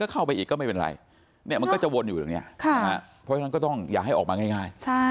เขาเข้าออกเป็นประจำ